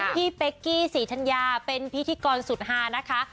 เป๊กกี้ศรีธัญญาเป็นพิธีกรสุดฮานะคะ